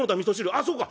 あっそうか！